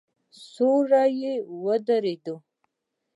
سیوری ودرېد.